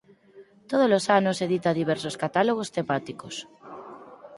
Tódolos anos edita diversos catálogos temáticos.